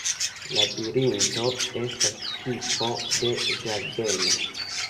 Labirinto estas tipo de ĝardeno.